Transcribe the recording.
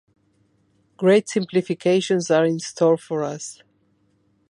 Great simplifications are in store for us.